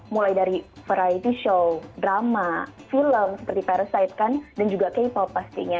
mulai dari very show drama film seperti parasite kan dan juga k pop pastinya